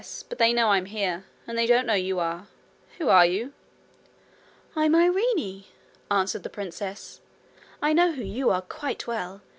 But they know I am here, and they don't know you are. Who are you?' 'I'm Irene,' answered the princess. 'I know who you are quite well.